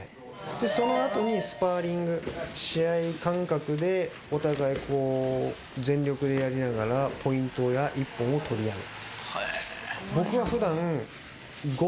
でそのあとにスパーリング試合感覚でお互いこう全力でやりながらポイントや一本を取り合う。